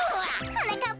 はなかっ